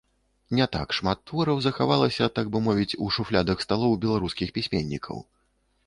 Не так шмат твораў захавалася, так бы мовіць, у шуфлядах сталоў беларускіх пісьменнікаў.